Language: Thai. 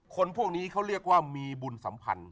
คนพวกนี้เขาเรียกว่ามีบุญสัมพันธ์